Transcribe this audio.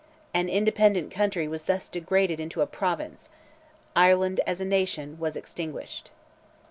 An independent country was thus degraded into a province. Ireland, as a nation, was extinguished."